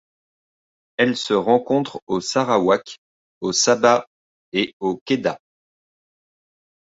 Elle se rencontre au Sarawak, au Sabah et au Kedah.